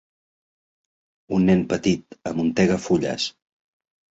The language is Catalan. Un nen petit amuntega fulles.